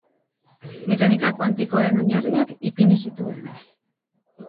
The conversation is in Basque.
Mekanika kuantikoaren oinarriak ipini zituen.